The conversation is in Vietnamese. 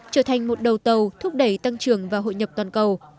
trở thành một đầu tàu thúc đẩy tăng trưởng và hội nhập toàn cầu